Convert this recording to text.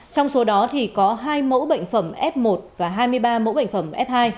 trong số đó thì có hai mẫu bệnh phẩm f một và hai mươi ba mẫu bệnh phẩm f hai